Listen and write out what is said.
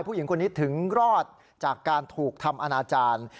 ผู้หญิงคนนี้ถึงรอดจากการถูกทำอนาจารย์